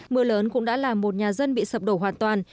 mưa lớn cũng đã làm một nhà dân bị sập đổ hoàn toàn